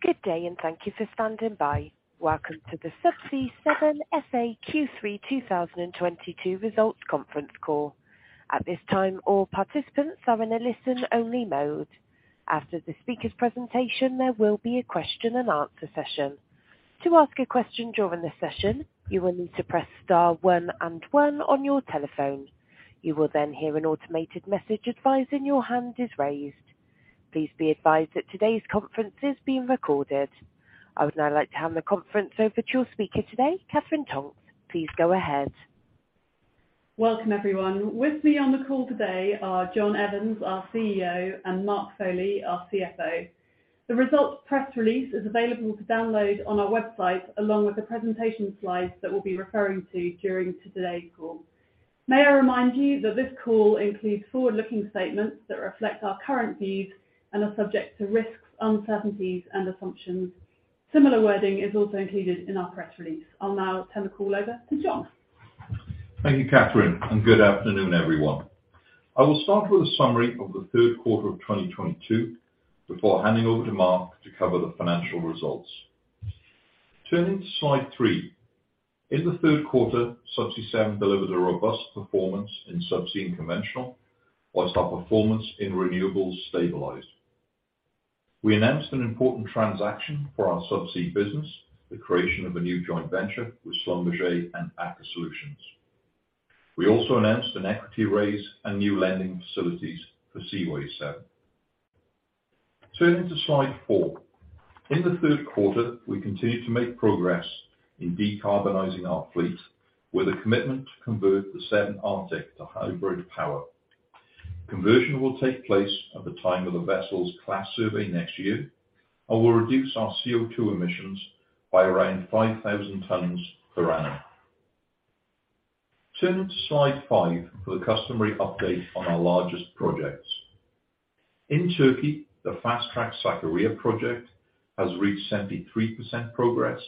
Good day. Thank you for standing by. Welcome to the Subsea 7 S.A. Q3 2022 results conference call. At this time, all participants are in a listen-only mode. After the speaker's presentation, there will be a question-and-answer session. To ask a question during the session, you will need to press star one and one on your telephone. You will then hear an automated message advising your hand is raised. Please be advised that today's conference is being recorded. I would now like to hand the conference over to your speaker today, Katherine Tonks. Please go ahead. Welcome, everyone. With me on the call today are John Evans, our CEO, and Mark Foley, our CFO. The results press release is available to download on our website, along with the presentation slides that we'll be referring to during today's call. May I remind you that this call includes forward-looking statements that reflect our current views and are subject to risks, uncertainties, and assumptions. Similar wording is also included in our press release. I'll now turn the call over to John. Thank you, Katherine. Good afternoon, everyone. I will start with a summary of the third quarter of 2022 before handing over to Mark to cover the financial results. Turning to slide three. In the third quarter, Subsea 7 delivered a robust performance in Subsea and Conventional, whilst our performance in renewables stabilized. We announced an important transaction for our Subsea business, the creation of a new joint venture with Schlumberger and Aker Solutions. We also announced an equity raise and new lending facilities for Seaway 7. Turning to slide four. In the third quarter, we continued to make progress in decarbonizing our fleet with a commitment to convert the Seven Arctic to hybrid power. Conversion will take place at the time of the vessel's class survey next year and will reduce our CO2 emissions by around 5,000 tons per annum. Turning to slide five for the customary update on our largest projects. In Türkiye, the fast-track Sakarya project has reached 73% progress,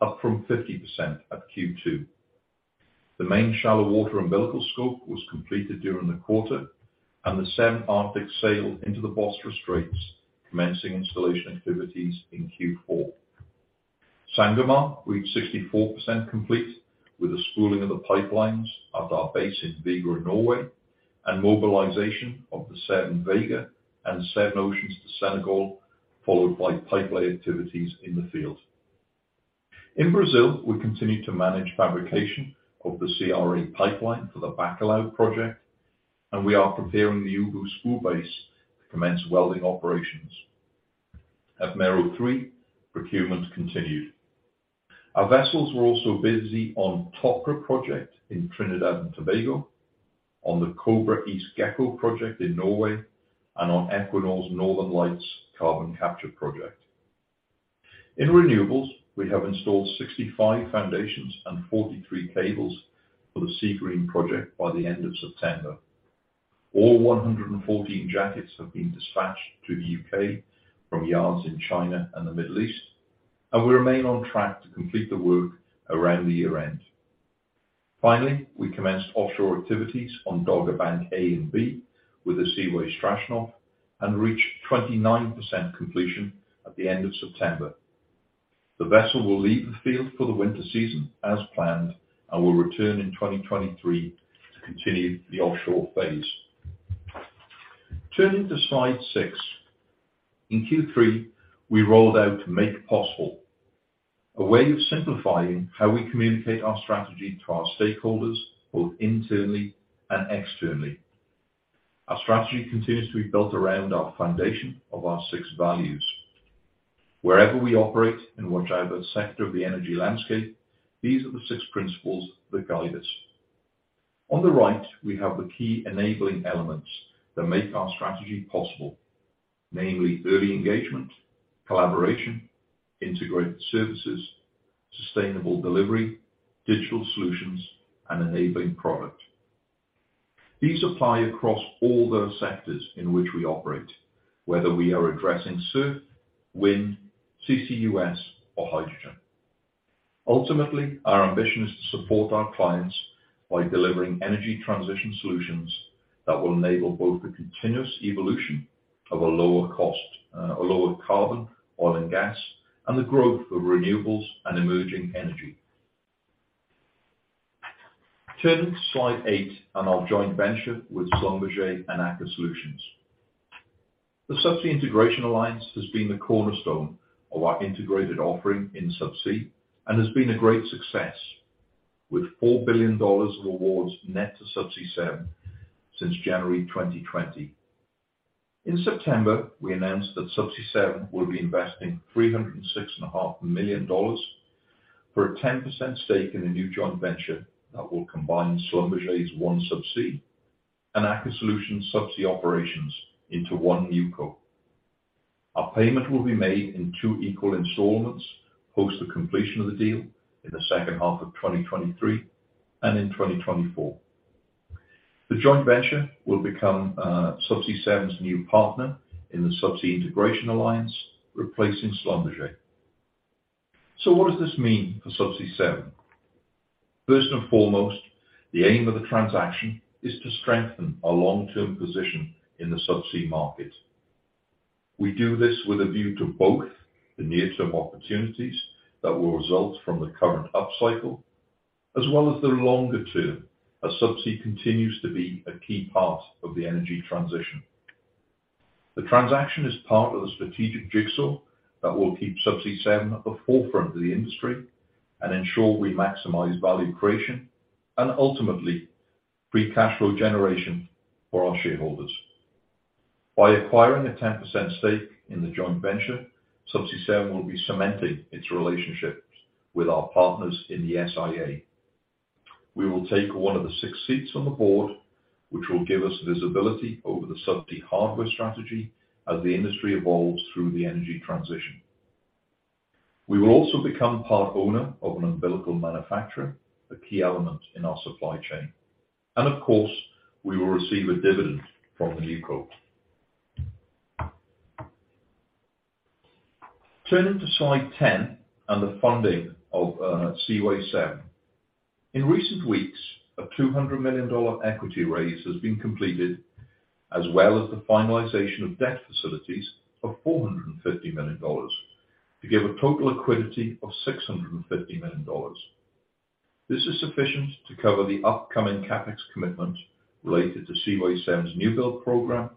up from 50% at Q2. The main shallow water umbilical scope was completed during the quarter, and the Seven Arctic sailed into the Bosphorus Strait, commencing installation activities in Q4. Sangomar reached 64% complete with the spooling of the pipelines at our base in Vigra, Norway, and mobilization of the Seven Vega and Seven Oceans to Senegal, followed by pipelay activities in the field. In Brazil, we continue to manage fabrication of the CRA pipeline for the Bacalhau project, and we are preparing the Ubu spool base to commence welding operations. At Mero 3, procurement continued. Our vessels were also busy on Toco project in Trinidad and Tobago, on the Kobra East Gekko project in Norway, and on Equinor's Northern Lights carbon capture project. In renewables, we have installed 65 foundations and 43 cables for the Seagreen project by the end of September. All 114 jackets have been dispatched to the U.K. from yards in China and the Middle East, and we remain on track to complete the work around the year-end. Finally, we commenced offshore activities on Dogger Bank A and B with the Seaway Strashnov and reached 29% completion at the end of September. The vessel will leave the field for the winter season as planned and will return in 2023 to continue the offshore phase. Turning to slide six. In Q3, we rolled out Make Possible, a way of simplifying how we communicate our strategy to our stakeholders, both internally and externally. Our strategy continues to be built around our foundation of our six values. Wherever we operate and whichever sector of the energy landscape, these are the six principles that guide us. On the right, we have the key enabling elements that make our strategy possible, namely early engagement, collaboration, integrated services, sustainable delivery, digital solutions, and enabling product. These apply across all those sectors in which we operate, whether we are addressing SURF, wind, CCUS, or hydrogen. Ultimately, our ambition is to support our clients by delivering energy transition solutions that will enable both the continuous evolution of a lower carbon oil and gas, and the growth of renewables and emerging energy. Turning to slide eight and our joint venture with Schlumberger and Aker Solutions. The Subsea Integration Alliance has been the cornerstone of our integrated offering in Subsea and has been a great success, with $4 billion of awards net to Subsea 7 since January 2020. In September, we announced that Subsea 7 will be investing three hundred and six and a half million dollars for a 10% stake in a new joint venture that will combine Schlumberger's OneSubsea and Aker Solutions Subsea operations into one NewCo. Our payment will be made in two equal installments post the completion of the deal in the second half of 2023 and in 2024. The joint venture will become Subsea 7's new partner in the Subsea Integration Alliance, replacing Schlumberger. What does this mean for Subsea 7? First and foremost, the aim of the transaction is to strengthen our long-term position in the Subsea market. We do this with a view to both the near-term opportunities that will result from the current upcycle, as well as the longer term, as Subsea continues to be a key part of the energy transition. The transaction is part of the strategic jigsaw that will keep Subsea 7 at the forefront of the industry and ensure we maximize value creation and ultimately free cash flow generation for our shareholders. By acquiring a 10% stake in the joint venture, Subsea 7 will be cementing its relationships with our partners in the SIA. We will take one of the six seats on the board, which will give us visibility over the Subsea hardware strategy as the industry evolves through the energy transition. We will also become part owner of an umbilical manufacturer, a key element in our supply chain. Of course, we will receive a dividend from the NewCo. Turning to slide 10 and the funding of Seaway 7. In recent weeks, a $200 million equity raise has been completed, as well as the finalization of debt facilities of $450 million to give a total liquidity of $650 million. This is sufficient to cover the upcoming CapEx commitment related to Seaway 7's new build program,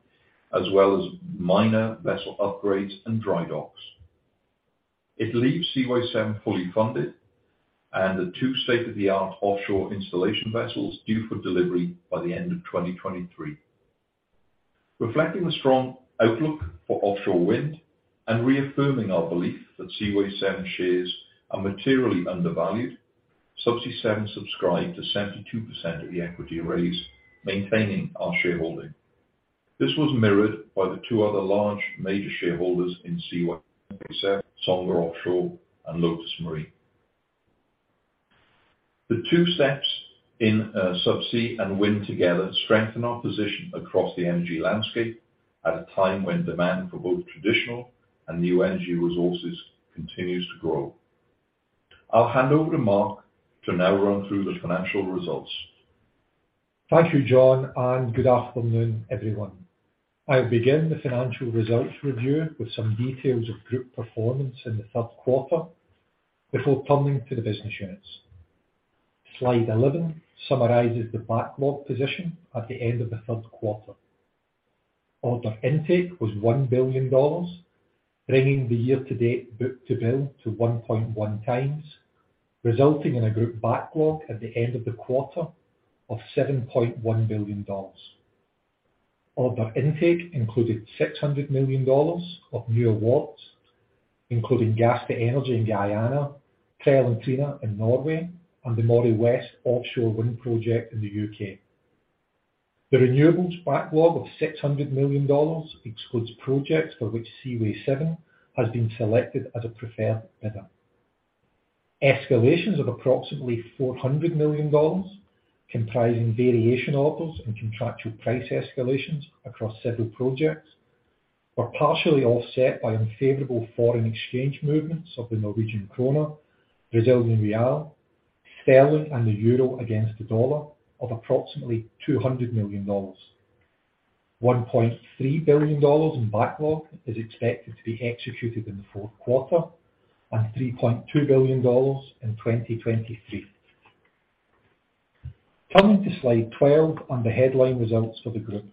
as well as minor vessel upgrades and dry docks. It leaves Seaway 7 fully funded and the two state-of-the-art offshore installation vessels due for delivery by the end of 2023. Reflecting the strong outlook for offshore wind and reaffirming our belief that Seaway 7 shares are materially undervalued, Subsea 7 subscribed to 72% of the equity raise, maintaining our shareholding. This was mirrored by the two other large major shareholders in Seaway 7, Songa Capital and Lotus Marine. The two steps in Subsea and wind together strengthen our position across the energy landscape at a time when demand for both traditional and new energy resources continues to grow. I'll hand over to Mark to now run through the financial results. Thank you, John, and good afternoon, everyone. I begin the financial results review with some details of group performance in the third quarter before turning to the business units. Slide 11 summarizes the backlog position at the end of the third quarter. Order intake was $1 billion, bringing the year-to-date book-to-bill to 1.1x, resulting in a group backlog at the end of the quarter of $7.1 billion. Order intake included $600 million of new awards, including Gas to Energy in Guyana, Trell and Trine in Norway, and the Moray West Offshore Wind Project in the U.K. The renewables backlog of $600 million excludes projects for which Seaway 7 has been selected as a preferred bidder. Escalations of approximately $400 million, comprising variation orders and contractual price escalations across several projects, were partially offset by unfavorable foreign exchange movements of the Norwegian krone, Brazilian real, sterling, and the euro against the dollar of approximately $200 million. $1.3 billion in backlog is expected to be executed in the fourth quarter and $3.2 billion in 2023. Turning to slide 12 on the headline results for the group.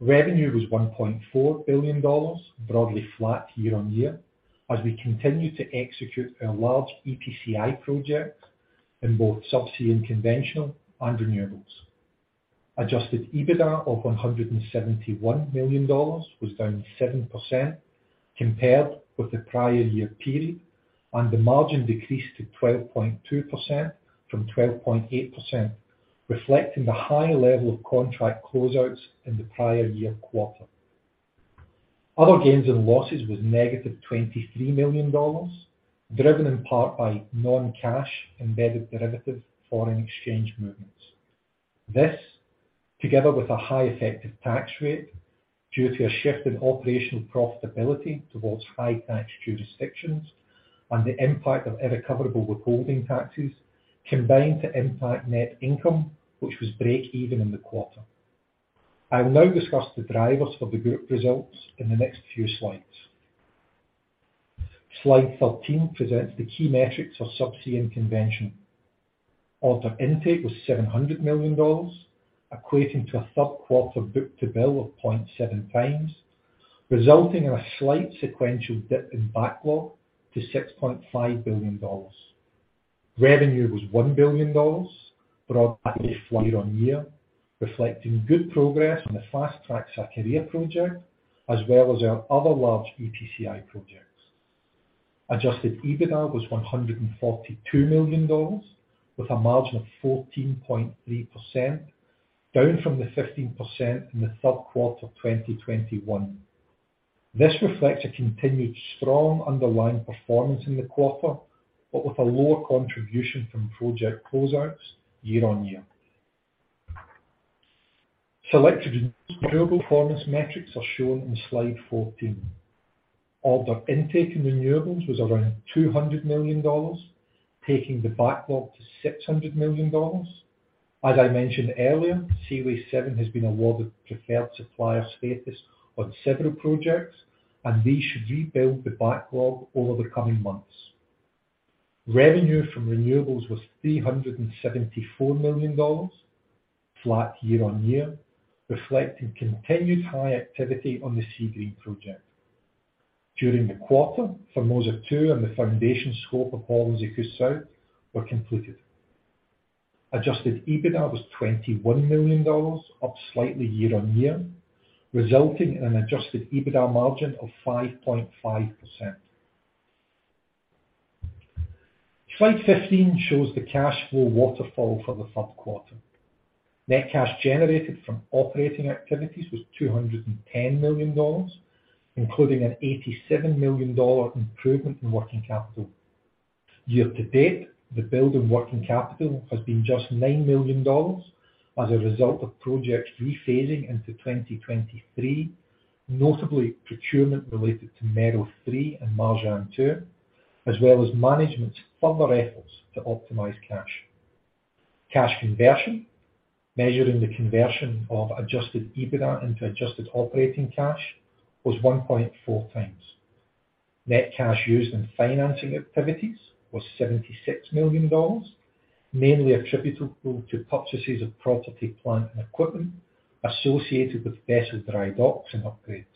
Revenue was $1.4 billion, broadly flat year-on-year, as we continue to execute our large EPCI project in both Subsea and Conventional and renewables. Adjusted EBITDA of $171 million was down 7% compared with the prior year period, and the margin decreased to 12.2% from 12.8%, reflecting the high level of contract closeouts in the prior year quarter. Other gains and losses was -$23 million, driven in part by non-cash embedded derivative foreign exchange movements. This, together with a high effective tax rate due to a shift in operational profitability towards high tax jurisdictions and the impact of irrecoverable withholding taxes, combined to impact net income, which was break-even in the quarter. I will now discuss the drivers for the Group results in the next few slides. Slide 13 presents the key metrics of Subsea and Conventional. Order intake was $700 million, equating to a third quarter book-to-bill of 0.7x, resulting in a slight sequential dip in backlog to $6.5 billion. Revenue was $1 billion, broadly flat year-on-year, reflecting good progress on the fast-track Sakarya project, as well as our other large EPCI projects. Adjusted EBITDA was $142 million with a margin of 14.3%, down from the 15% in the third quarter of 2021. This reflects a continued strong underlying performance in the quarter, but with a lower contribution from project closeouts year-on-year. Selected renewables performance metrics are shown on slide 14. Order intake in renewables was around $200 million, taking the backlog to $600 million. As I mentioned earlier, Seaway 7 has been awarded preferred supplier status on several projects, and we should rebuild the backlog over the coming months. Revenue from renewables was $374 million, flat year-on-year, reflecting continued high activity on the Seagreen project. During the quarter, Formosa 2 and the foundation scope of Horns Rev South were completed. Adjusted EBITDA was $21 million, up slightly year-on-year, resulting in an adjusted EBITDA margin of 5.5%. Slide 15 shows the cash flow waterfall for the third quarter. Net cash generated from operating activities was $210 million, including an $87 million improvement in working capital. Year-to-date, the build in working capital has been just $9 million as a result of projects rephasing into 2023, notably procurement related to Mero 3 and Marjan 2, as well as management's further efforts to optimize cash. Cash conversion, measuring the conversion of adjusted EBITDA into adjusted operating cash was 1.4x. Net cash used in financing activities was $76 million, mainly attributable to purchases of property, plant, and equipment associated with vessel dry docks and upgrades.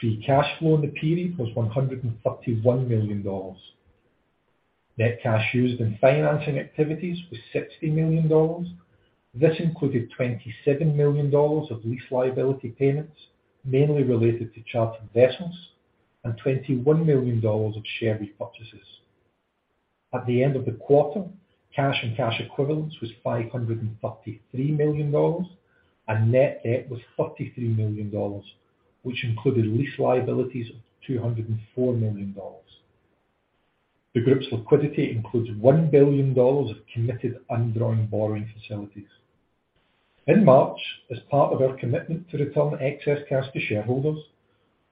Free cash flow in the period was $131 million. Net cash used in financing activities was $60 million. This included $27 million of lease liability payments, mainly related to charter vessels and $21 million of share repurchases. At the end of the quarter, cash and cash equivalents was $533 million, and net debt was $33 million, which included lease liabilities of $204 million. The group's liquidity includes $1 billion of committed undrawn borrowing facilities. In March, as part of our commitment to return excess cash to shareholders,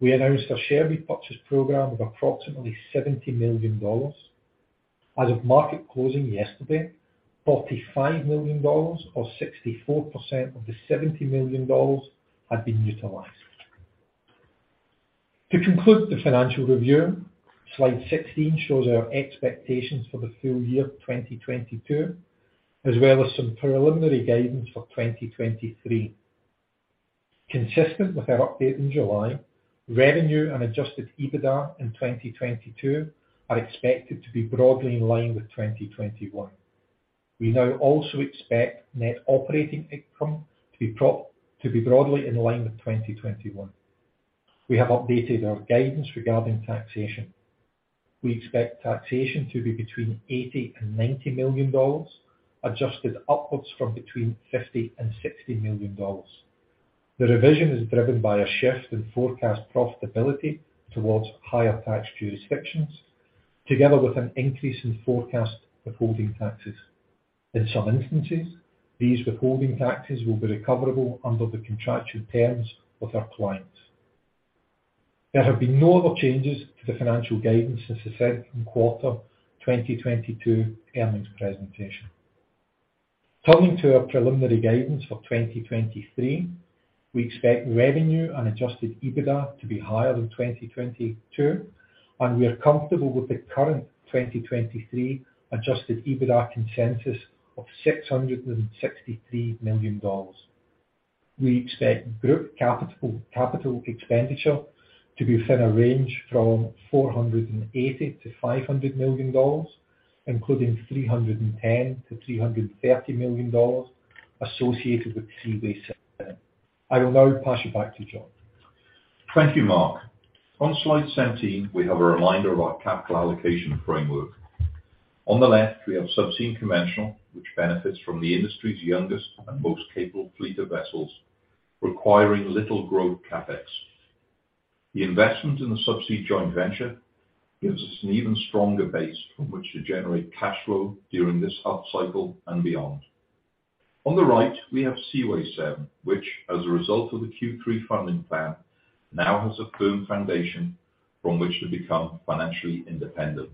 we announced a share repurchase program of approximately $70 million. As of market closing yesterday, $45 million or 64% of the $70 million had been utilized. To conclude the financial review, slide 16 shows our expectations for the full year of 2022, as well as some preliminary guidance for 2023. Consistent with our update in July, revenue and adjusted EBITDA in 2022 are expected to be broadly in line with 2021. We now also expect net operating income to be broadly in line with 2021. We have updated our guidance regarding taxation. We expect taxation to be between $80 million and $90 million, adjusted upwards from between $50 million and $60 million. The revision is driven by a shift in forecast profitability towards higher tax jurisdictions, together with an increase in forecast withholding taxes. In some instances, these withholding taxes will be recoverable under the contractual terms with our clients. There have been no other changes to the financial guidance since the second quarter 2022 earnings presentation. Turning to our preliminary guidance for 2023, we expect revenue and adjusted EBITDA to be higher than 2022, and we are comfortable with the current 2023 adjusted EBITDA consensus of $663 million. We expect group capital expenditure to be within a range from $480 million-$500 million, including $310 million-$330 million associated with Seaway 7. I will now pass you back to John. Thank you, Mark. On slide 17, we have a reminder of our capital allocation framework. On the left, we have Subsea and Conventional, which benefits from the industry's youngest and most capable fleet of vessels, requiring little growth CapEx. The investment in the Subsea joint venture gives us an even stronger base from which to generate cash flow during this upcycle and beyond. On the right, we have Seaway 7, which as a result of the Q3 funding plan, now has a firm foundation from which to become financially independent.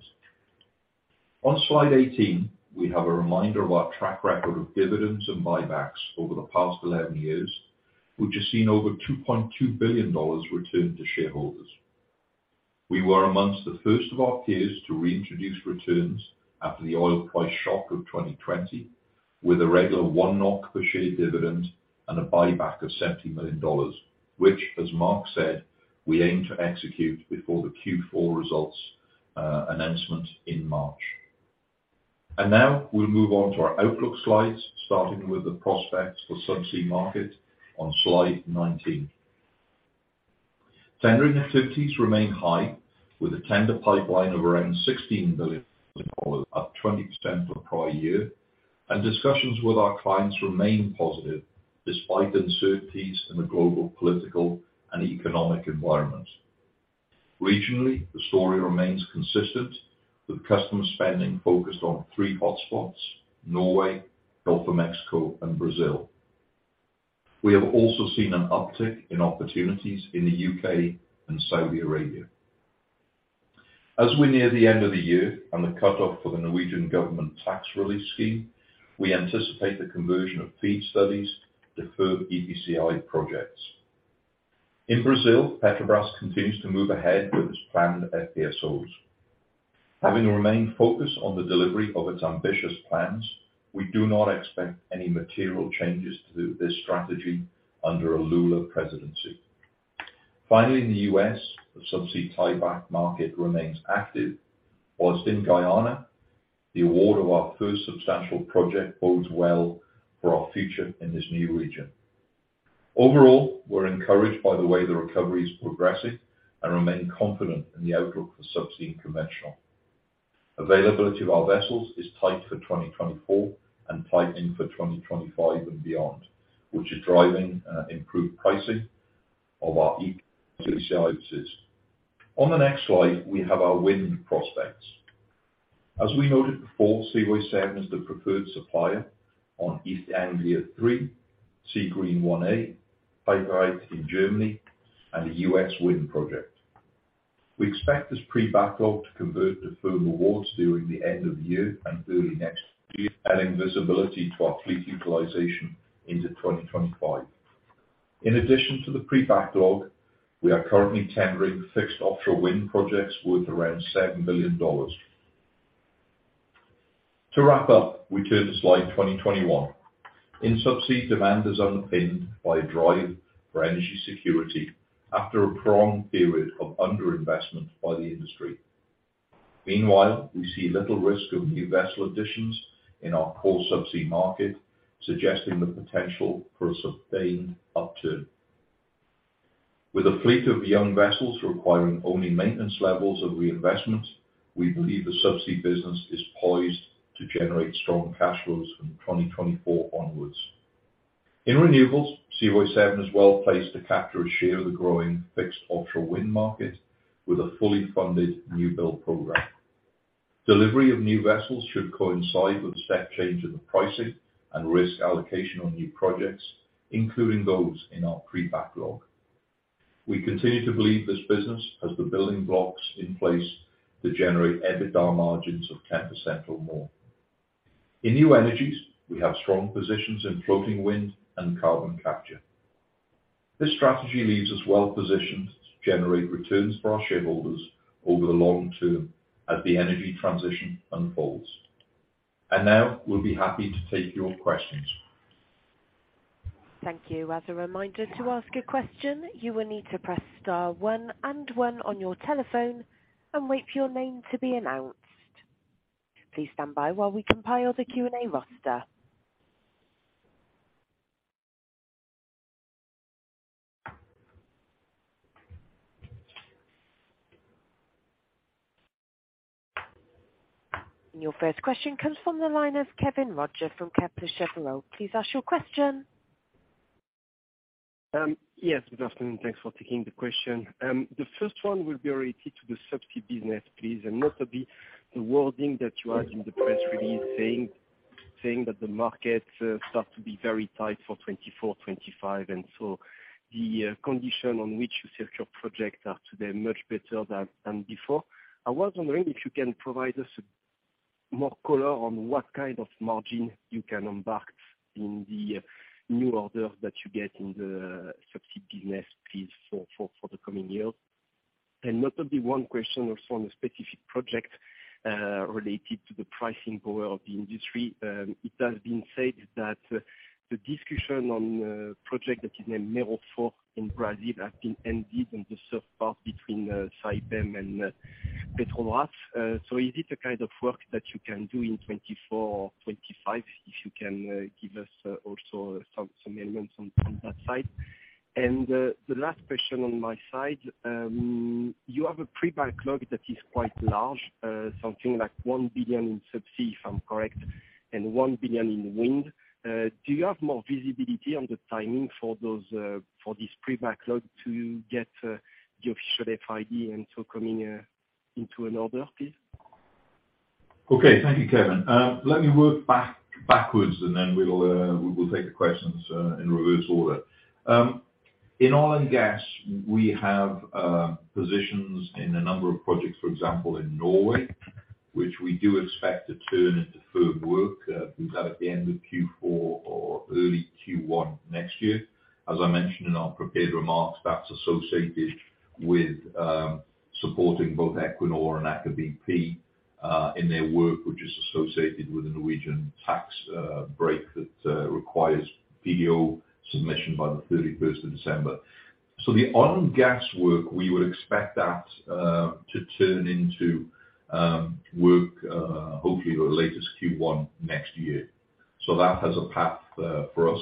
On slide 18, we have a reminder of our track record of dividends and buybacks over the past 11 years, which has seen over $2.2 billion returned to shareholders. We were amongst the first of our peers to reintroduce returns after the oil price shock of 2020 with a regular 1 NOK per share dividend and a buyback of $70 million, which, as Mark said, we aim to execute before the Q4 results announcement in March. Now we'll move on to our outlook slides, starting with the prospects for Subsea market on slide 19. Tendering activities remain high with a tender pipeline of around $16 billion, up 20% on prior year, and discussions with our clients remain positive despite the uncertainties in the global political and economic environment. Regionally, the story remains consistent, with customer spending focused on three hotspots, Norway, Gulf of Mexico and Brazil. We have also seen an uptick in opportunities in the U.K. and Saudi Arabia. As we near the end of the year and the cutoff for the Norwegian Government tax relief scheme, we anticipate the conversion of FEED studies, deferred EPCI projects. In Brazil, Petrobras continues to move ahead with its planned FPSOs. Having remained focused on the delivery of its ambitious plans, we do not expect any material changes to this strategy under a Lula Presidency. Finally, in the U.S., the Subsea tieback market remains active, whilst in Guyana, the award of our first substantial project bodes well for our future in this new region. Overall, we're encouraged by the way the recovery is progressing and remain confident in the outlook for Subsea and Conventional. Availability of our vessels is tight for 2024 and tightening for 2025 and beyond, which is driving improved pricing of our EPCI. On the next slide, we have our wind prospects. As we noted before, Seaway 7 is the preferred supplier on East Anglia 3, Seagreen 1A, He Dreiht in Germany and the US Wind project. We expect this pre-backlog to convert to firm awards during the end of the year and early next year, adding visibility to our fleet utilization into 2025. In addition to the pre-backlog, we are currently tendering fixed offshore wind projects worth around $7 billion. To wrap up, we turn to slide 21. In Subsea, demand is underpinned by a drive for energy security after a prolonged period of under-investment by the industry. Meanwhile, we see little risk of new vessel additions in our core Subsea market, suggesting the potential for a sustained upturn. With a fleet of young vessels requiring only maintenance levels of reinvestment, we believe the Subsea business is poised to generate strong cash flows from 2024 onwards. In renewables, Seaway 7 is well placed to capture a share of the growing fixed offshore wind market with a fully funded new build program. Delivery of new vessels should coincide with a step change in the pricing and risk allocation on new projects, including those in our pre-backlog. We continue to believe this business has the building blocks in place to generate EBITDA margins of 10% or more. In new energies, we have strong positions in floating wind and carbon capture. This strategy leaves us well-positioned to generate returns for our shareholders over the long term as the energy transition unfolds. Now, we'll be happy to take your questions. Thank you. As a reminder, to ask a question, you will need to press star one and one on your telephone and wait for your name to be announced. Please stand by while we compile the Q&A roster. Your first question comes from the line of Kévin Roger from Kepler Cheuvreux. Please ask your question. Yes, good afternoon. Thanks for taking the question. The first one will be related to the Subsea business, please, and notably the wording that you have in the press release saying that the markets start to be very tight for 2024-2025 and so the condition on which you set your projects are today much better than before. I was wondering if you can provide us more color on what kind of margin you can embark in the new orders that you get in the Subsea business, please, for the coming year. Notably one question also on a specific project related to the pricing power of the industry. It has been said that the discussion on the project that is named Mero 4 in Brazil has been ended and this part between Saipem and Petrobras. Is it the kind of work that you can do in 2024 or 2025? If you can give us also some elements on that side. The last question on my side. You have a pre-backlog that is quite large, something like $1 billion in Subsea, if I'm correct, and $1 billion in wind. Do you have more visibility on the timing for this pre-backlog to get the official FID and so coming into an order, please? Okay. Thank you, Kévin. Let me work backwards and then we will take the questions in reverse order. In oil and gas, we have positions in a number of projects, for example, in Norway, which we do expect to turn into firm work either at the end of Q4 or early Q1 next year. As I mentioned in our prepared remarks, that's associated with supporting both Equinor and Aker BP in their work which is associated with the Norwegian tax break that requires PDO submission by the 31st of December. The oil and gas work, we would expect that to turn into work hopefully no later than Q1 next year. That has a path for us.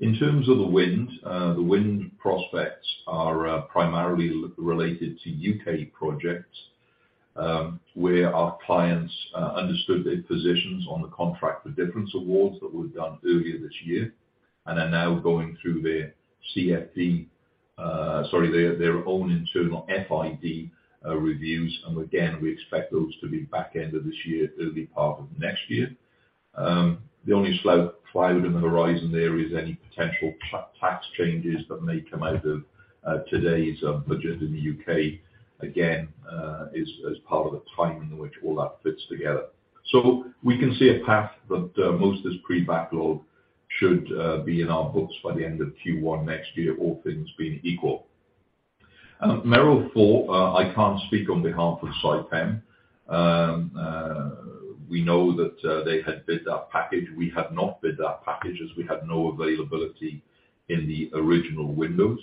In terms of the wind, the wind prospects are primarily related to U.K. projects where our clients understood their positions on the Contract for Difference awards that were done earlier this year and are now going through their own internal FID reviews. Again, we expect those to be back end of this year, early part of next year. The only slow cloud on the horizon there is any potential tax changes that may come out of today's budget in the U.K., again, is as part of the timing in which all that fits together. We can see a path that most of this pre-backlog should be in our books by the end of Q1 next year, all things being equal. Mero 4, I can't speak on behalf of Saipem. We know that they had bid that package. We had not bid that package as we had no availability in the original windows,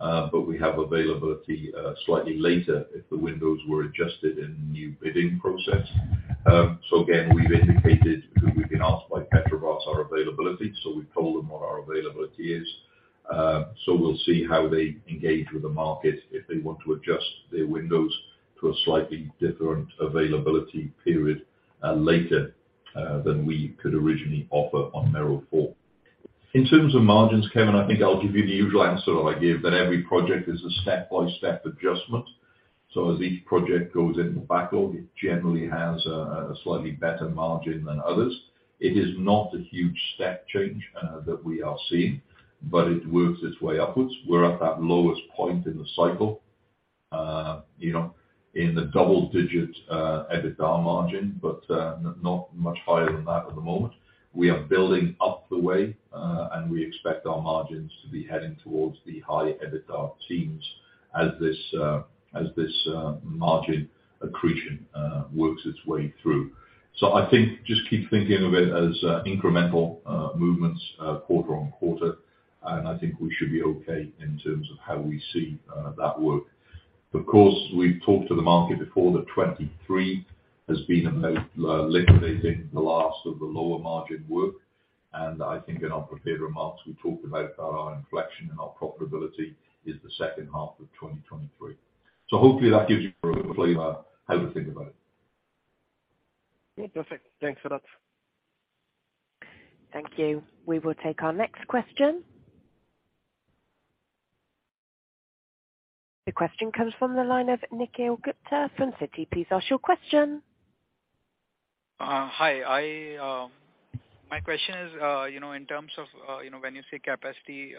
but we have availability slightly later if the windows were adjusted in the new bidding process. Again, we've indicated because we've been asked by Petrobras our availability, so we've told them what our availability is. We'll see how they engage with the market if they want to adjust their windows to a slightly different availability period later than we could originally offer on Mero 4. In terms of margins, Kévin, I think I'll give you the usual answer I give, that every project is a step-by-step adjustment. As each project goes into the backlog, it generally has a slightly better margin than others. It is not a huge step change that we are seeing, but it works its way upwards. We're at that lowest point in the cycle, you know, in the double digits, EBITDA margin, but not much higher than that at the moment. We are building up the way, and we expect our margins to be heading towards the high EBITDA teens as this margin accretion works its way through. I think just keep thinking of it as incremental movements, quarter-on-quarter, and I think we should be okay in terms of how we see that work. Of course, we've talked to the market before that 2023 has been about liquidating the last of the lower margin work. I think in our prepared remarks, we talked about our inflection and our profitability is the second half of 2023. Hopefully that gives you a flavor how to think about it. Yeah. Perfect. Thanks for that. Thank you. We will take our next question. The question comes from the line of Nikhil Gupta from Citi. Please ask your question. Hi. My question is, you know, in terms of, you know, when you say capacity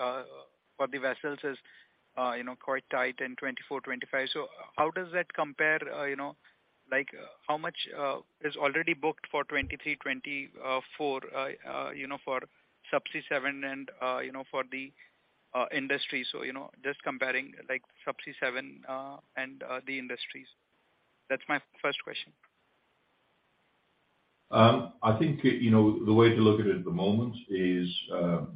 for the vessels is, you know, quite tight in 2024-2025. How does that compare, you know, like how much is already booked for 2023, 2024, you know, for Subsea 7 and, you know, for the industry? You know, just comparing like Subsea 7 and the industries. That's my first question. I think, you know, the way to look at it at the moment is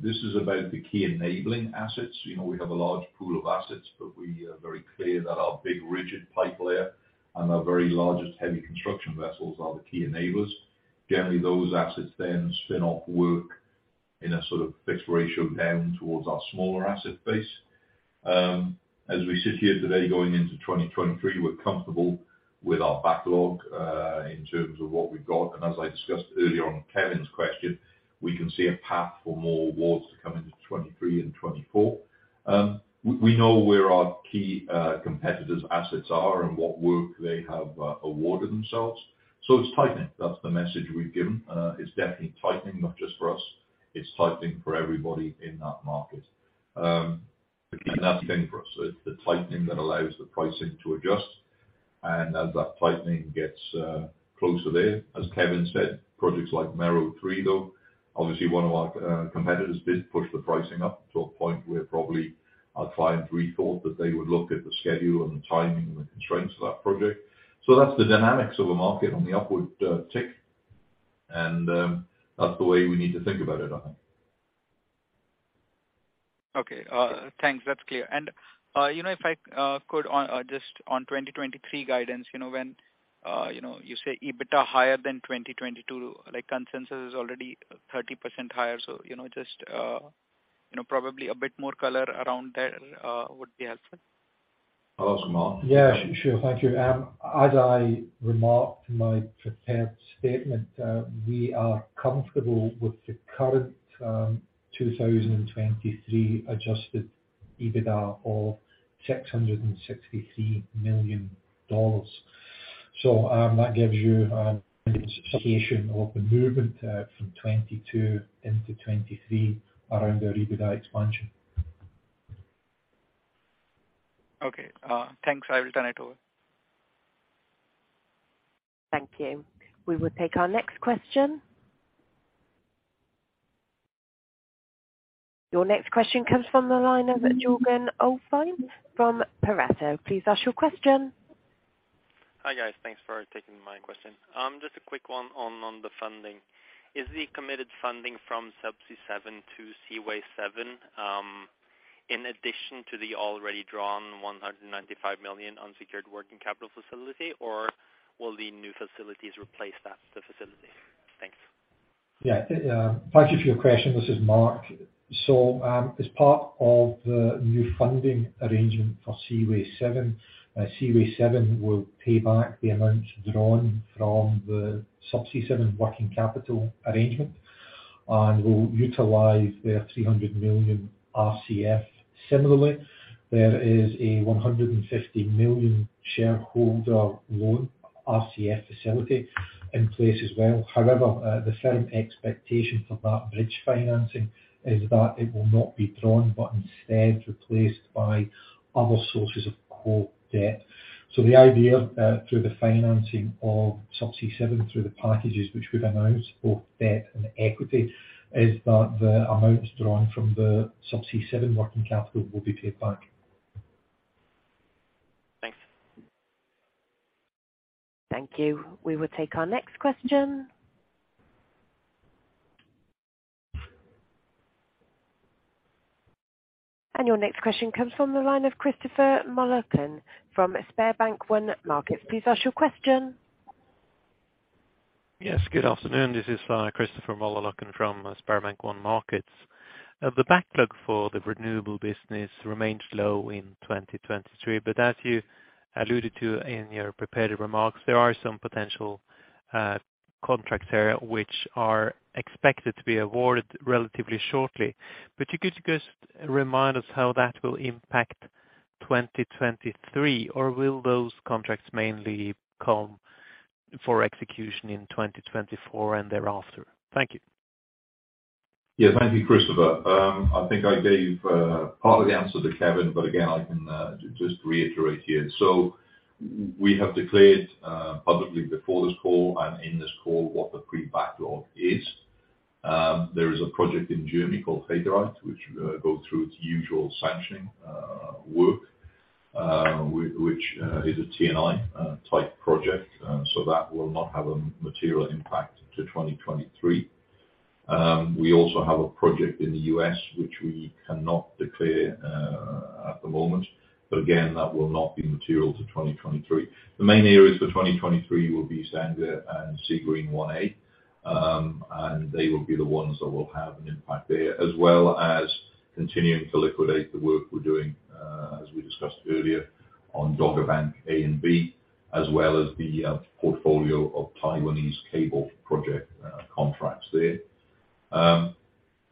this is about the key enabling assets. You know, we have a large pool of assets, but we are very clear that our big rigid pipe layer and our very largest heavy construction vessels are the key enablers. Generally, those assets then spin off work in a sort of fixed ratio down towards our smaller asset base. As we sit here today, going into 2023, we're comfortable with our backlog in terms of what we've got. As I discussed earlier on Kévin's question, we can see a path for more awards to come into 2023 and 2024. We know where our key competitors' assets are and what work they have awarded themselves. It's tightening. That's the message we've given. Uh, it's definitely tightening, not just for us. It's tightening for everybody in that market. Um, the key thing for us, the tightening that allows the pricing to adjust. And as that tightening gets, uh, closer there, as Kévin said, projects like Mero 3, though, obviously one of our, uh, competitors did push the pricing up to a point where probably our clients rethought that they would look at the schedule and the timing and the constraints of that project. So that's the dynamics of a market on the upward, uh, tick. And, um, that's the way we need to think about it, I think. Okay. Thanks. That's clear. You know, if I could, just on 2023 guidance, you know, when, you know, you say EBITDA higher than 2022, like consensus is already 30% higher. You know, just, you know, probably a bit more color around there would be helpful. I'll ask Mark. Yeah, sure. Thank you. As I remarked in my prepared statement, we are comfortable with the current 2023 adjusted EBITDA of $663 million. That gives you an indication of the movement from 2022 into 2023 around our EBITDA expansion. Okay. Thanks. I will turn it over. Thank you. We will take our next question. Your next question comes from the line of Jørgen Opheim from Pareto. Please ask your question. Hi, guys. Thanks for taking my question. Just a quick one on the funding. Is the committed funding from Subsea 7 to Seaway 7 in addition to the already drawn $195 million unsecured working capital facility, or will the new facilities replace the facility? Thanks. Yeah. Thank you for your question. This is Mark. As part of the new funding arrangement for Seaway 7, Seaway 7 will pay back the amount drawn from the Subsea 7 working capital arrangement and will utilize their $300 million RCF. Similarly, there is a $150 million shareholder loan RCF facility in place as well. However, the firm expectation for that bridge financing is that it will not be drawn, but instead replaced by other sources of core debt. The idea through the financing of Subsea 7 through the packages which we've announced, both debt and equity, is that the amounts drawn from the Subsea 7 working capital will be paid back. Thanks. Thank you. We will take our next question. Your next question comes from the line of Christopher Møllerløkken from SpareBank 1 Markets. Please ask your question. Yes, good afternoon. This is Christopher Møllerløkken from SpareBank 1 Markets. The backlog for the renewables business remained low in 2023, but as you alluded to in your prepared remarks, there are some potential contracts there which are expected to be awarded relatively shortly. Could you just remind us how that will impact 2023? Will those contracts mainly come for execution in 2024 and thereafter? Thank you. Yeah. Thank you, Christopher. I think I gave part of the answer to Kévin, but again, I can reiterate here. We have declared publicly before this call and in this call what the pre-backlog is. There is a project in Germany called He Dreiht which go through its usual sanctioning work which is a T&I type project. That will not have a material impact to 2023. We also have a project in the U.S., which we cannot declare at the moment, but again, that will not be material to 2023. The main areas for 2023 will be Sakarya and Seagreen 1A. They will be the ones that will have an impact there, as well as continuing to liquidate the work we're doing, as we discussed earlier, on Dogger Bank A and B, as well as the portfolio of Taiwanese cable project contracts there.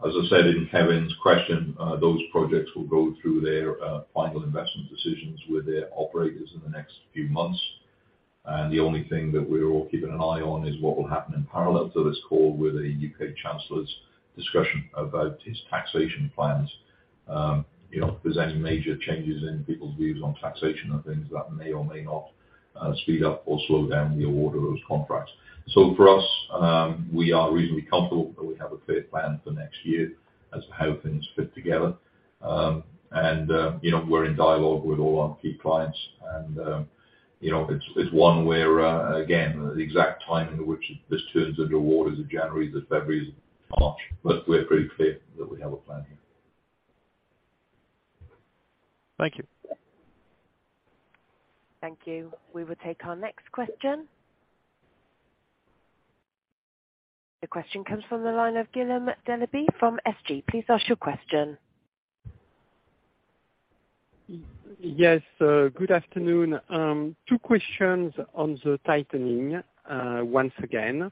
As I said in Kévin's question, those projects will go through their final investment decisions with their operators in the next few months. The only thing that we're all keeping an eye on is what will happen in parallel to this call with the U.K. Chancellor's discussion about his taxation plans. You know, if there's any major changes in people's views on taxation and things, that may or may not speed up or slow down the award of those contracts. For us, we are reasonably comfortable that we have a clear plan for next year as to how things fit together. You know, we're in dialogue with all our key clients and, you know, it's one where, again, the exact timing in which this turns into awards is January to February to March. We're pretty clear that we have a plan here. Thank you. Thank you. We will take our next question. The question comes from the line of Guillaume Delaby from SG. Please ask your question. Yes, good afternoon. Two questions on the tightening once again.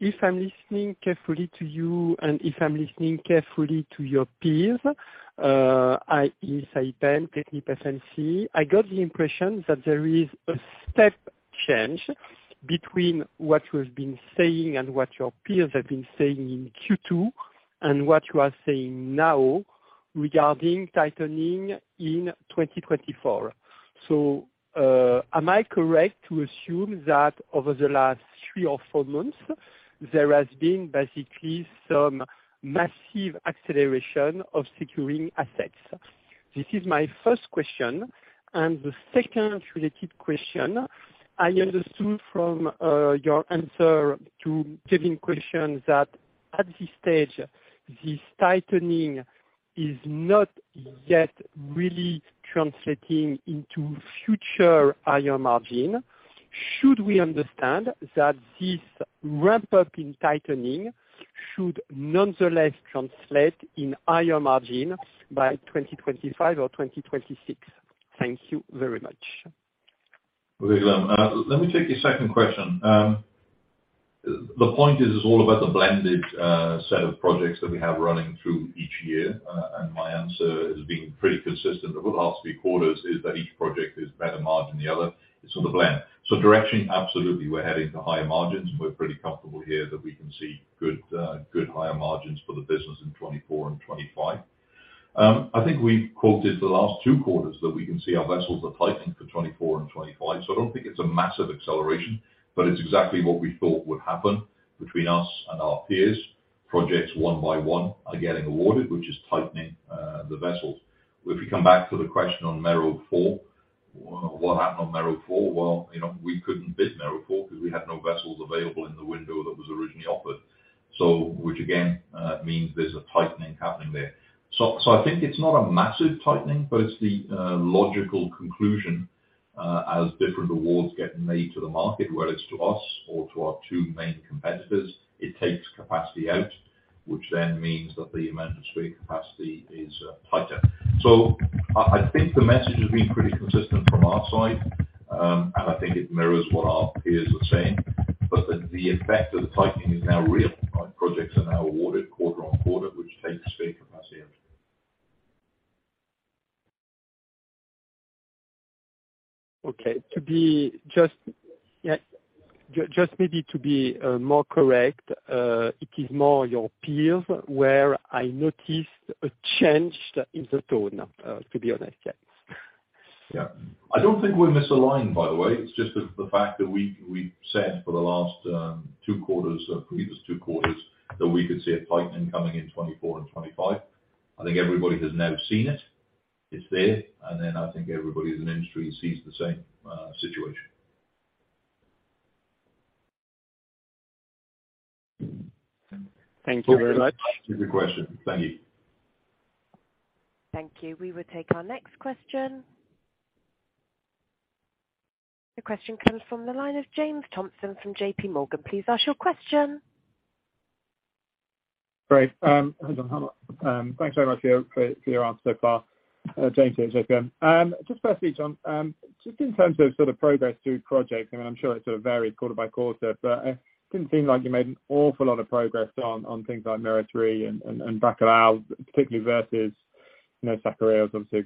If I'm listening carefully to you and if I'm listening carefully to your peers, i.e., Saipem, TechnipFMC, I got the impression that there is a step change between what you've been saying and what your peers have been saying in Q2 and what you are saying now regarding tightening in 2024. Am I correct to assume that over the last three or four months, there has been basically some massive acceleration of securing assets? This is my first question. The second related question, I understand from your answer to Kévin's question that at this stage, this tightening is not yet really translating into future higher margin. Should we understand that this ramp-up in tightening should nonetheless translate in higher margin by 2025 or 2026? Thank you very much. Okay. Guillaume, let me take your second question. The point is all about the blended set of projects that we have running through each year, and my answer has been pretty consistent over the last three quarters, is that each project is better margin than the other. It's sort of blend. Directionally, absolutely, we're heading to higher margins, and we're pretty comfortable here that we can see good higher margins for the business in 2024 and 2025. I think we've quoted the last two quarters that we can see our vessels are tightening for 2024 and 2025. I don't think it's a massive acceleration, but it's exactly what we thought would happen between us and our peers. Projects one by one are getting awarded, which is tightening the vessels. If you come back to the question on Mero 4, what happened on Mero 4? Well, you know, we couldn't bid Mero 4 'cause we had no vessels available in the window that was originally offered, which again means there's a tightening happening there. I think it's not a massive tightening, but it's the logical conclusion. As different awards get made to the market, whether it's to us or to our two main competitors, it takes capacity out, which then means that the amount of spare capacity is tighter. I think the message has been pretty consistent from our side. I think it mirrors what our peers are saying, but the effect of the tightening is now real. Our projects are now awarded quarter-on-quarter, which takes spare capacity out. Okay. To be just, yeah, just maybe to be more correct, it is more your peers where I noticed a change in the tone, to be honest. Yes. Yeah. I don't think we're misaligned, by the way. It's just the fact that we said for the last two quarters, or previous two quarters, that we could see a tightening coming in 2024 and 2025. I think everybody has now seen it. It's there. I think everybody in the industry sees the same situation. Thank you very much. Good question. Thank you. Thank you. We will take our next question. The question comes from the line of James Thompson from JPMorgan. Please ask your question. Great. Hi, John. Thanks very much for your answers so far. James here at JPM Just firstly, John, just in terms of sort of progress through projects, I mean, I'm sure it sort of varies quarter-by-quarter, but didn't seem like you made an awful lot of progress on things like Mero 3 and Bacalhau, particularly versus, you know, Sakarya was obviously,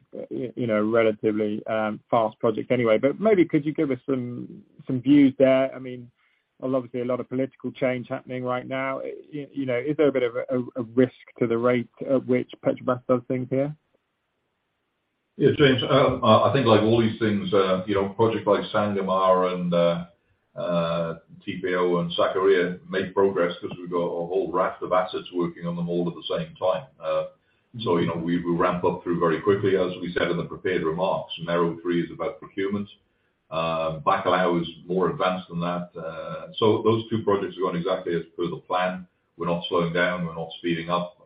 you know, a relatively fast project anyway. Maybe could you give us some views there? I mean, obviously a lot of political change happening right now. You know, is there a bit of a risk to the rate at which Petrobras does things here? Yeah, James. I think like all these things, you know, a project like Sangomar and TPAO and Sakarya make progress because we've got a whole raft of assets working on them all at the same time. You know, we ramp up through very quickly. As we said in the prepared remarks, Mero 3 is about procurement. Bacalhau is more advanced than that. Those two projects are going exactly as per the plan. We're not slowing down. We're not speeding up.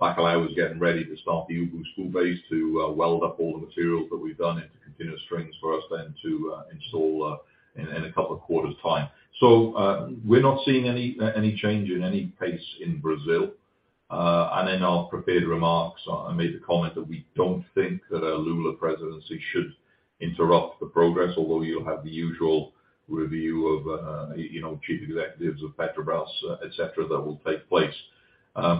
Bacalhau is getting ready to start the Ubú spool base to weld up all the materials that we've done into continuous strings for us then to install in a couple of quarters' time. We're not seeing any change in any pace in Brazil. In our prepared remarks, I made the comment that we don't think that a Lula presidency should interrupt the progress, although you'll have the usual review of, you know, chief executives of Petrobras, et cetera, that will take place.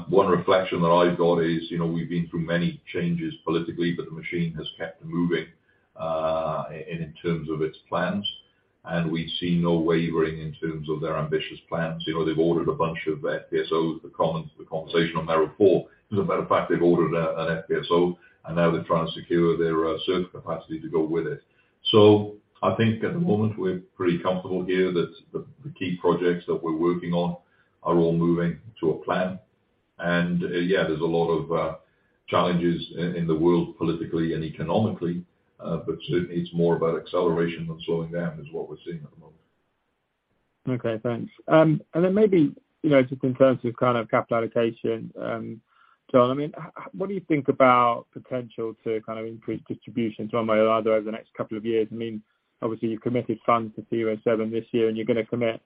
One reflection that I've got is, you know, we've been through many changes politically, but the machine has kept moving in terms of its plans, and we see no wavering in terms of their ambitious plans. You know, they've ordered a bunch of FPSOs. The conversation on Mero 4. As a matter of fact, they've ordered an FPSO, and now they're trying to secure their surface capacity to go with it. I think at the moment, we're pretty comfortable here that the key projects that we're working on are all moving to a plan. Yeah, there's a lot of challenges in the world politically and economically, but certainly it's more about acceleration than slowing down is what we're seeing at the moment. Okay, thanks. Maybe, you know, just in terms of kind of capital allocation, I mean, what do you think about potential to kind of increase distribution to shareholders over the next couple of years? I mean, obviously you've committed funds to Seaway 7 this year, and you're gonna commit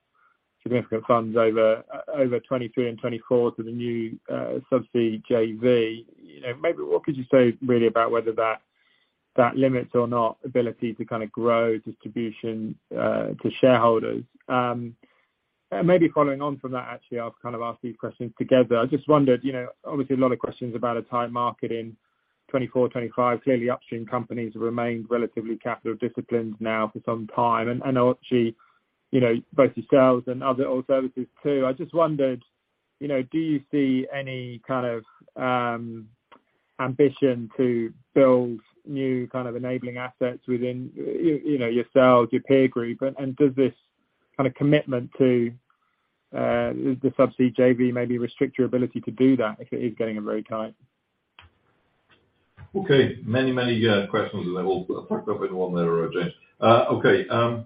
significant funds over 2023 and 2024 to the new Subsea JV. You know, maybe what could you say really about whether that limits or not ability to kind of grow distribution to shareholders? Maybe following on from that, actually, I'll kind of ask these questions together. I just wondered, you know, obviously a lot of questions about a tight market in 2024, 2025. Clearly upstream companies have remained relatively capital disciplined now for some time. Obviously, you know, both yourselves and other oil services too. I just wondered, you know, do you see any kind of ambition to build new kind of enabling assets within, you know, yourselves, your peer group? Does this kind of commitment to the Subsea JV maybe restrict your ability to do that if it is getting very tight? Many, many questions, and they're all packed up into one there, James.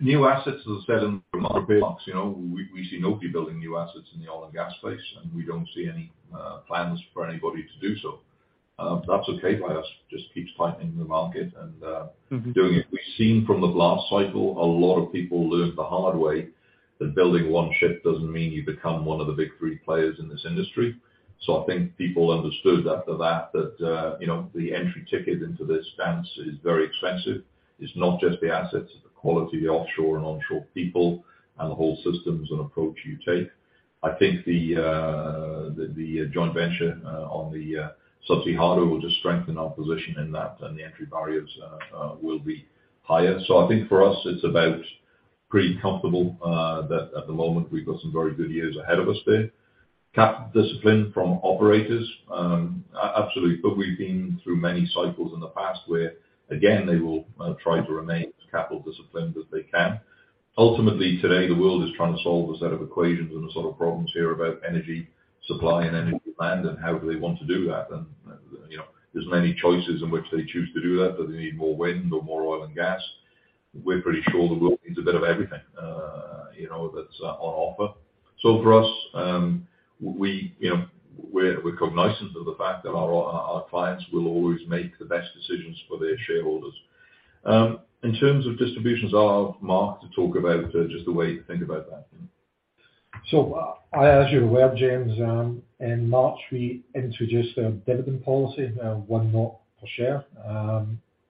New assets, as I said in my prepared remarks, you know, we see nobody building new assets in the oil and gas space, and we don't see any plans for anybody to do so. That's okay by us. Just keeps tightening the market. Mm-hmm Doing it. We've seen from the last cycle, a lot of people learned the hard way that building one ship doesn't mean you become one of the big three players in this industry. I think people understood after that that, you know, the entry ticket into this dance is very expensive. It's not just the assets, it's the quality of the offshore and onshore people and the whole systems and approach you take. I think the joint venture on the Subsea hardware will just strengthen our position in that, and the entry barriers will be higher. I think for us it's about pretty comfortable that at the moment we've got some very good years ahead of us there. Cap discipline from operators, absolutely, but we've been through many cycles in the past where, again, they will try to remain as capital disciplined as they can. Ultimately, today, the world is trying to solve a set of equations and the sort of problems here about energy supply and energy demand and how do they want to do that. You know, there's many choices in which they choose to do that, but they need more wind or more oil and gas. We're pretty sure the world needs a bit of everything. You know, that's on offer. For us, you know, we're cognizant of the fact that our clients will always make the best decisions for their shareholders. In terms of distributions, I'll have Mark to talk about just the way to think about that. As you're aware, James, in March, we introduced a dividend policy of 1 per share.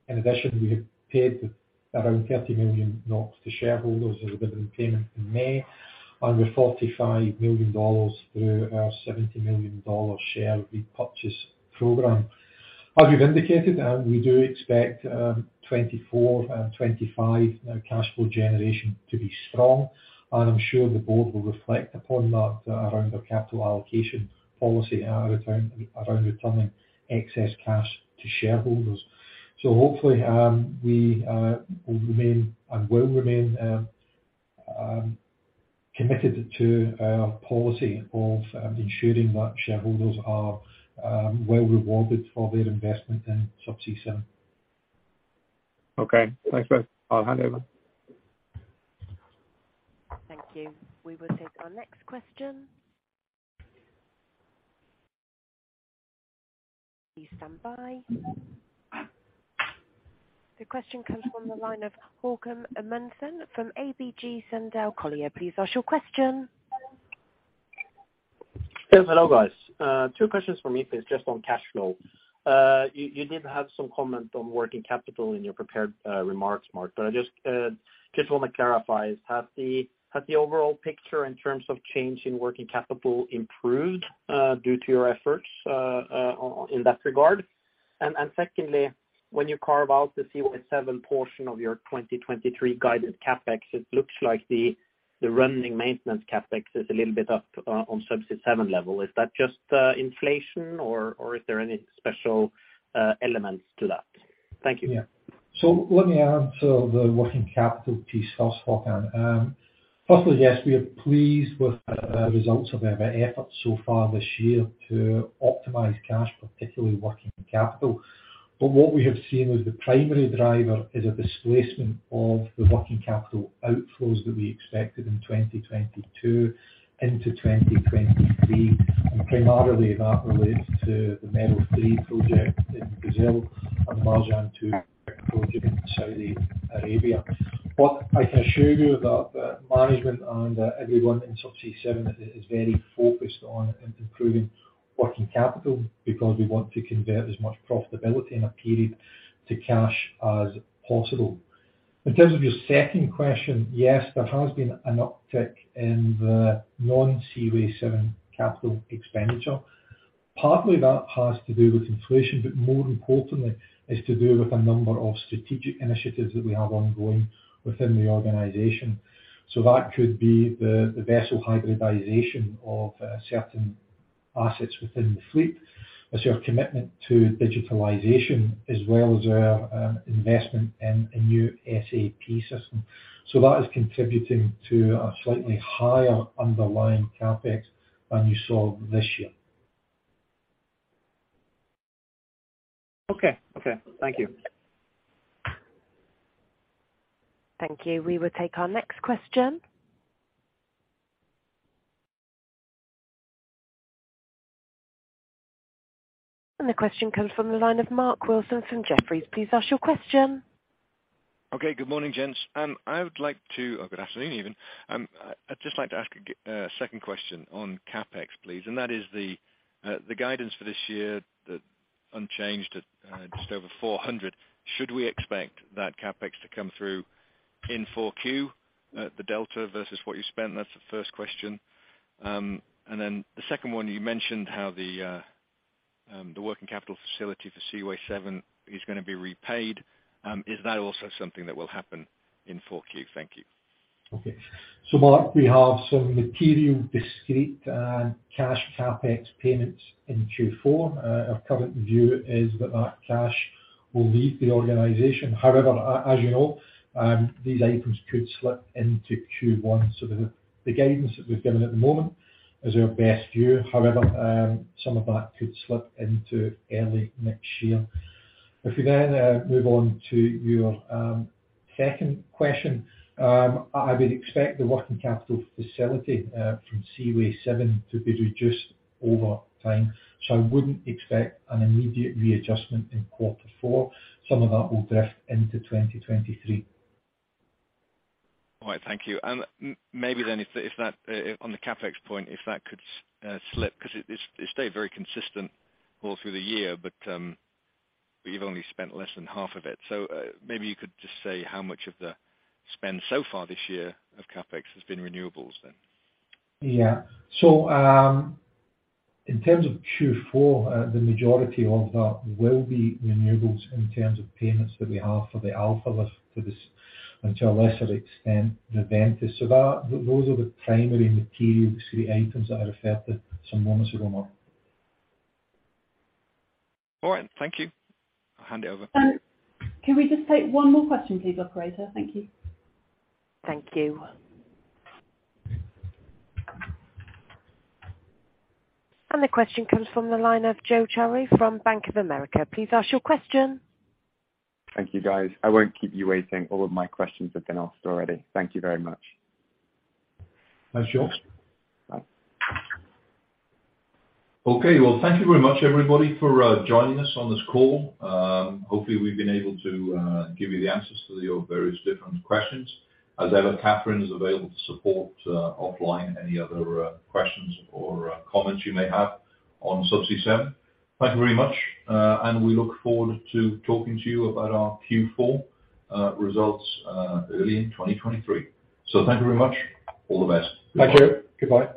In addition, we had paid around 30 million to shareholders as a dividend payment in May, and with $45 million through our $70 million share repurchase program. As we've indicated, we do expect 2024 and 2025 cash flow generation to be strong. I'm sure the Board will reflect upon that around their capital allocation policy around returning excess cash to shareholders. Hopefully, we will remain committed to our policy of ensuring that shareholders are well rewarded for their investment in Subsea 7. Okay. Thanks, both. I'll hand over. Thank you. We will take our next question. Please stand by. The question comes from the line of Haakon Amundsen from ABG Sundal Collier. Please ask your question. Yes. Hello, guys. Two questions from me, please, just on cash flow. You did have some comment on working capital in your prepared remarks, Mark. I just wanna clarify. Has the overall picture in terms of change in working capital improved due to your efforts in that regard? Secondly, when you carve out the Seaway 7 portion of your 2023 guided CapEx, it looks like the running maintenance CapEx is a little bit up on Subsea 7 level. Is that just inflation or is there any special elements to that? Thank you. Yeah. Let me answer the working capital piece first, Haakon. Firstly, yes, we are pleased with the results of our efforts so far this year to optimize cash, particularly working capital. What we have seen as the primary driver is a displacement of the working capital outflows that we expected in 2022 into 2023. Primarily, that relates to the Mero 3 project in Brazil and Marjan 2 project in Saudi Arabia. I can assure you that management and everyone in Subsea 7 is very focused on improving working capital because we want to convert as much profitability in a period to cash as possible. In terms of your second question, yes, there has been an uptick in the non-Seaway 7 capital expenditure. Partly that has to do with inflation, but more importantly, is to do with a number of strategic initiatives that we have ongoing within the organization. That could be the vessel hybridization of certain assets within the fleet. It's our commitment to digitalization as well as our investment in a new SAP system. That is contributing to a slightly higher underlying CapEx than you saw this year. Okay. Thank you. Thank you. We will take our next question. The question comes from the line of Mark Wilson from Jefferies. Please ask your question. Okay. Good morning, gents. Good afternoon even. I'd just like to ask a second question on CapEx, please. That is the guidance for this year, unchanged at just over $400 million. Should we expect that CapEx to come through in Q4 at the delta versus what you spent? That's the first question. The second one, you mentioned how the working capital facility for Seaway 7 is gonna be repaid. Is that also something that will happen in Q4? Thank you. Okay. Mark, we have some material discrete and cash CapEx payments in Q4. Our current view is that that cash will leave the organization. However, as you know, these items could slip into Q1. The guidance that we've given at the moment is our best view. However, some of that could slip into early next year. If we then move on to your second question, I would expect the working capital facility from Seaway 7 to be reduced over time. I wouldn't expect an immediate readjustment in quarter four. Some of that will drift into 2023. All right. Thank you. Maybe then on the CapEx point, if that could slip, 'cause it stayed very consistent all through the year, but you've only spent less than half of it. Maybe you could just say how much of the spend so far this year of CapEx has been renewables then? Yeah. In terms of Q4, the majority of that will be renewables in terms of payments that we have for the Alfa Lift, and to a lesser extent, the Ventus. Those are the primary material items that I referred to some moments ago, Mark. All right. Thank you. I'll hand it over. Can we just take one more question, please, operator? Thank you. The question comes from the line of Joe Cherry from Bank of America. Please ask your question. Thank you, guys. I won't keep you waiting. All of my questions have been asked already. Thank you very much. Thanks, Joe. Bye. Okay. Well, thank you very much, everybody, for joining us on this call. Hopefully, we've been able to give you the answers to your various different questions. As ever, Katherine is available to support offline any other questions or comments you may have on Subsea 7. Thank you very much, and we look forward to talking to you about our Q4 results early in 2023. Thank you very much. All the best. Thank you. Goodbye.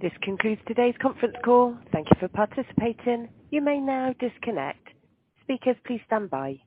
This concludes today's conference call. Thank you for participating. You may now disconnect. Speakers, please stand by.